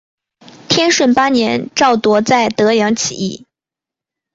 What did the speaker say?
天顺八年赵铎在德阳起义。